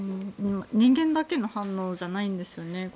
人間だけの反応だけじゃないんですよね。